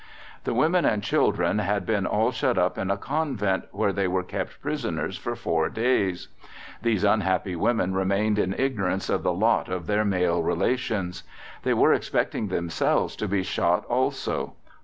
The women and children had been all shut up in a Convent, where they were kept prisoners for four days. These unhappy women remained in ignorance of the lot of their male relations. They were expecting themselves to be shot also.